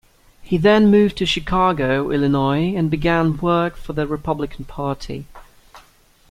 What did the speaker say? He then moved to Chicago, Illinois and began to work for the Republican Party.